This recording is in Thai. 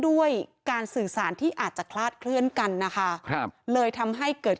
ด้วยการสื่อสารที่อาจจะคลาดเคลื่อนกันนะคะครับเลยทำให้เกิด